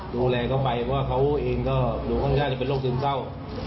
ดูแลเขาไปเพราะว่าเขาเองก็ดูค่อนข้างจะเป็นโรคซึมเศร้า